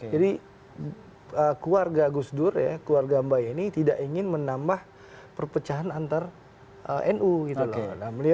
jadi keluarga gus dur ya keluarga mbak yeni tidak ingin menambah perpecahan antar nu gitu loh